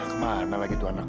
kemana lagi tuh anak